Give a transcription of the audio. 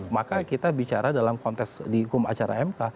maka kita bicara dalam konteks di hukum acara mk